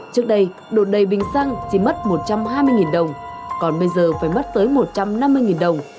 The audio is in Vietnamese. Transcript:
trước đây đột đầy bình xăng chỉ mất một trăm hai mươi đồng còn bây giờ phải mất tới một trăm năm mươi đồng